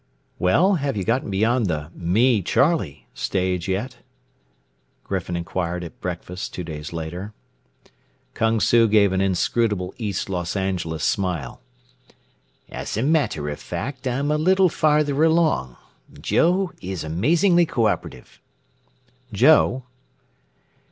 "Well, have you gotten beyond the 'me, Charlie' stage yet?" Griffin inquired at breakfast two days later. Kung Su gave an inscrutable East Los Angeles smile. "As a matter of fact, I'm a little farther along. Joe is amazingly coöperative." "Joe?"